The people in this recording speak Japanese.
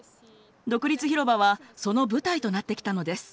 独立広場はその舞台となってきたのです。